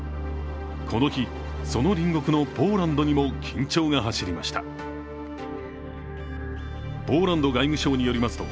この日、その隣国のポーランドにも緊張が走りました。